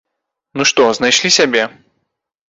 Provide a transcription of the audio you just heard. Ну што, знайшлі сябе?